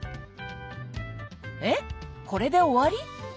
えっこれで終わり？